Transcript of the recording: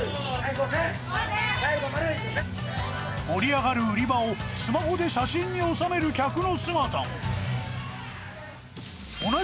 盛り上がる売り場をスマホで写真に収める客の姿も。